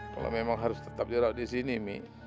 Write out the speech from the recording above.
kalau memang harus tetap jerak disini mi